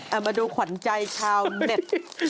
เอามาดูขวัญใจชาวเน็ต